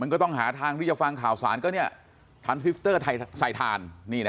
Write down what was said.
มันก็ต้องหาทางที่จะฟังข่าวสารก็เนี่ยทานซิสเตอร์ใส่ทาน